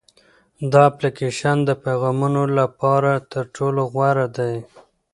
دا اپلیکیشن د پیغامونو لپاره تر ټولو غوره دی.